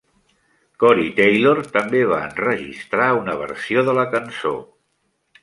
Corey Taylor també va enregistrar una versió de la cançó.